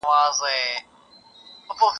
تر قیامته به روان وي « میرو» مل درته لیکمه `